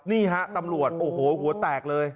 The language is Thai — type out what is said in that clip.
นี่ฮะตำรวจโอ้โหหัวแตกเลย